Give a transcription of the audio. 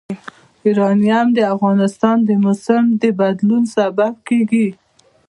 یورانیم د افغانستان د موسم د بدلون سبب کېږي.